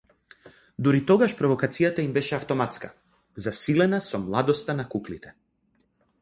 Дури тогаш провокацијата им беше автоматска, засилена со младоста на куклите.